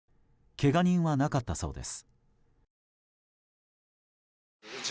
けが人はなかったそうです。